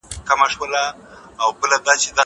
زه اوږده وخت کتابونه ليکم.